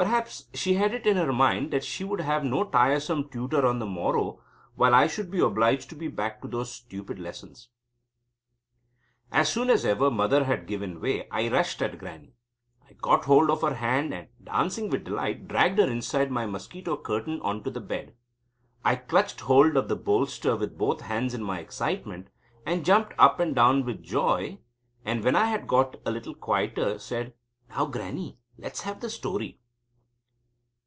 Perhaps she had it in her mind that she would have no tiresome tutor on the morrow, while I should be obliged to be back to those stupid lessons. As soon as ever Mother had given way, I rushed at Grannie. I got hold of her hand, and, dancing with delight, dragged her inside my mosquito curtain on to the bed. I clutched hold of the bolster with both hands in my excitement, and jumped up and down with joy, and when I had got a little quieter, said: "Now, Grannie, let' s have the story!"